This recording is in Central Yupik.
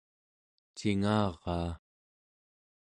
cingaraa